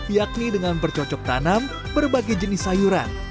yakni dengan bercocok tanam berbagai jenis sayuran